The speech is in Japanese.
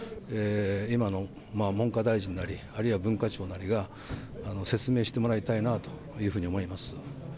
今の文科大臣なり、あるいは文化庁なりが説明してもらいたいなというふうに思います。